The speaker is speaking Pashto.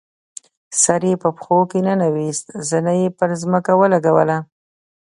سر یې په پښو کې ننویست، زنه یې پر ځمکه ولګوله.